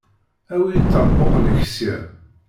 Awi iṭerbuqen-ik sya.